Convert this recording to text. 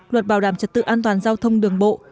luật bảo đảm trật tự an toàn giao thông đường bộ